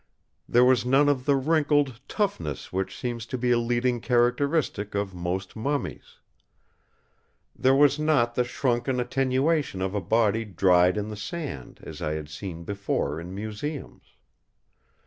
There was none of the wrinkled toughness which seems to be a leading characteristic of most mummies. There was not the shrunken attenuation of a body dried in the sand, as I had seen before in museums.